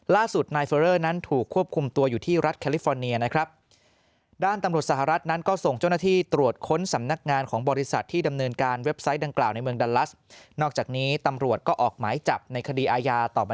ล่าสุดนายเฟอเรอร์นั้นถูกควบคุมตัวอยู่ที่รัฐแคลิฟอร์เนียนะครับ